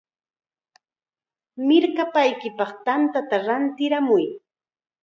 ¡Mirkapaykipaq tantata rantiramuy!